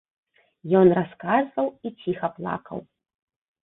Ён расказваў і ціха плакаў.